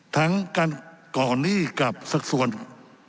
ทั้งการก่อนหนี้กับสักส่วน